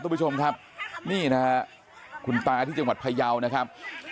คุณผู้ชมครับนี่นะฮะคุณตาที่จังหวัดพยาวนะครับ